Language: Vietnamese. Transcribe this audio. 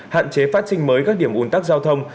hạn chế phát sinh mới các điểm ủn tắc giao thông